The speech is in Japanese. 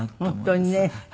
本当にね。